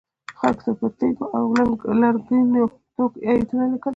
خلکو ته یې پر تیږو او لرګینو توکو ایتونه لیکل.